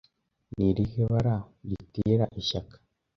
ni irihe bara ritera ishyaka